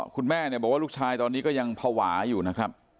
คุณแม่เนี่ยบอกว่าลูกชายตอนนี้ก็ยังภาวะอยู่นะครับ